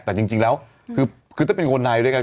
แต่จริงแล้วคือถ้าเป็นคนในด้วยกัน